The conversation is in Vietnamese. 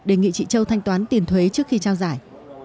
đề nghị chị châu thanh toán tiền thuế trước khi trao giải